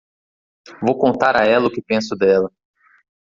Vou contar a ela o que penso dela!